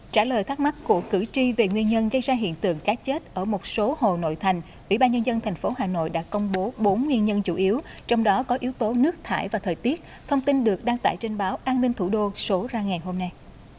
trả lời thắc mắc của cử tri về nguyên nhân gây ra hiện tượng cá chết ở một số hồ nội thành ủy ban nhân dân tp hà nội đã công bố bốn nguyên nhân chủ yếu trong đó có yếu tố nước thải và thời tiết thông tin được đăng tải trên báo an ninh thủ đô số ra ngày hôm nay